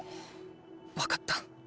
わかった。